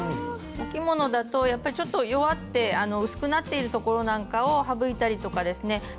お着物だとやっぱりちょっと弱って薄くなっているところなんかを省いたりとかですね